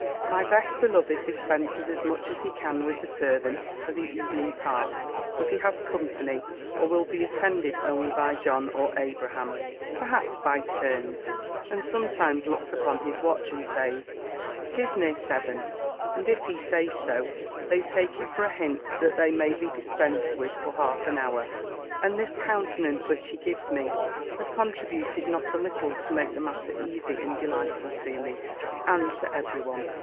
My best beloved dispenses as much as he can with the servants, for the evening part, if he has company; or will be attended only by John or Abraham, perhaps by turns; and sometimes looks upon his watch, and says, "'Tis near seven;" and if he says so, they take it for a hint that they may be dispensed with for half an hour; and this countenance which he gives me, has contributed not a little to make the matter easy and delightful to me, and to every one.